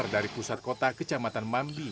dari pusat kota kecamatan mambi